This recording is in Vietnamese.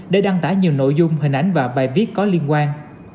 để đăng tải nhiều nội dung hình ảnh và bài viết có liên quan